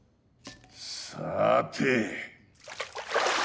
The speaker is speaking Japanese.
さて！